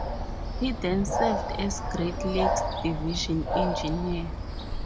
He then served as Great Lakes Division Engineer.